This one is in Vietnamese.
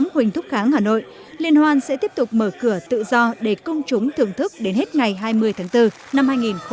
huỳnh thúc kháng hà nội liên hoan sẽ tiếp tục mở cửa tự do để công chúng thưởng thức đến hết ngày hai mươi tháng bốn năm hai nghìn hai mươi